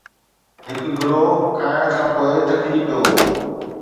هڪ گروهه کائڻ کان پوءِ ٿڪجي پيو هو